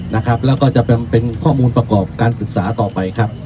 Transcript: นะครับแล้วก็จะเป็นข้อมูลประกอบการศึกษาต่อไปครับ